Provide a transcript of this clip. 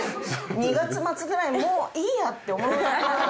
２月末ぐらいにもういいやって。